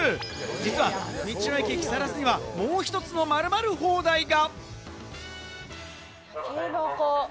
実は、道の駅木更津にはもう一つの〇〇放題が！